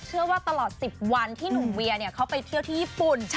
เชื่อว่าตลอด๑๐วันที่หนุ่มเวียเขาไปเที่ยวที่ญี่ปุ่น